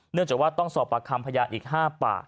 เนื่องจากว่าต้องสอบประคัมพยานอีก๕ป่า